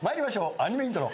アニメイントロ。